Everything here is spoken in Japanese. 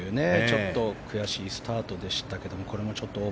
ちょっと悔しいスタートでしたけども。